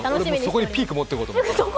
そこにピークを持っていこうと思って。